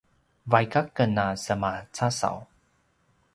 vaik aken a semacasaw